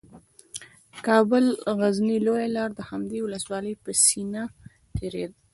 د کابل غزني لویه لاره د همدې ولسوالۍ په سینه تیره ده